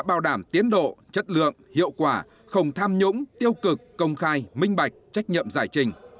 bảo đảm tiến độ chất lượng hiệu quả không tham nhũng tiêu cực công khai minh bạch trách nhiệm giải trình